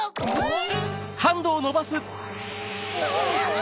ん？